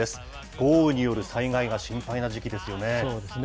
豪雨による災害が心配な時期ですよね。